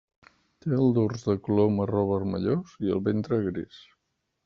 Té el dors de color marró vermellós i el ventre gris.